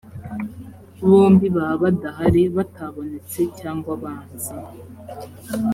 bombi baba badahari batabonetse cyangwa banze